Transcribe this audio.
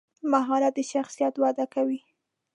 مهارت د شخصیت وده کوي.